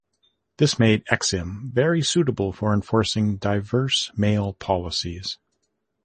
This made Exim very suitable for enforcing diverse mail policies.